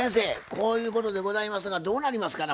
こういうことでございますがどうなりますかな？